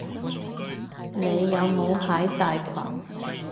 你有冇喺大群？